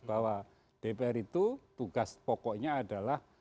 bahwa dpr itu tugas pokoknya adalah